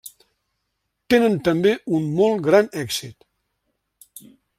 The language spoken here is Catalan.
Tenen també un molt gran èxit.